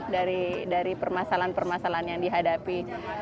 dari permasalahan permasalahan yang dihadapi